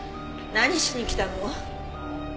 何しに来たの？